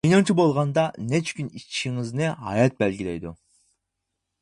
مېنىڭچە بولغاندا، نەچچە كۈن ئىچىشىڭىزنى ھايات بەلگىلەيدۇ.